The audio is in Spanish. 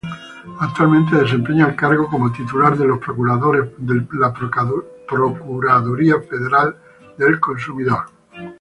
Actualmente desempeña el cargo como titular de la Procuraduría Federal del Consumidor.